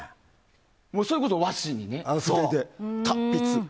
それこそ和紙にね、筆で。